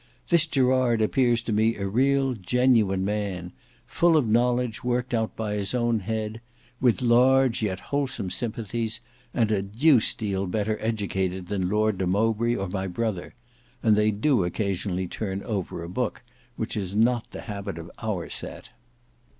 This Gerard appears to me a real genuine man; full of knowledge worked out by his own head; with large yet wholesome sympathies; and a deuced deal better educated than Lord de Mowbray or my brother—and they do occasionally turn over a book, which is not the habit of our set.